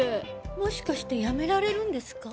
もしかして辞められるんですか？